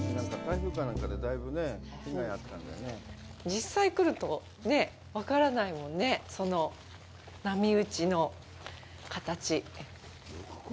実際来ると、ねぇ、分からないもんね、その波打ちの形。